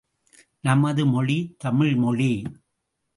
நமது மொழி தமிழ்மொழி.